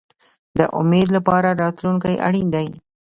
د امید لپاره راتلونکی اړین دی